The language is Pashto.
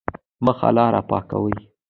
مخه لاره پاکوي.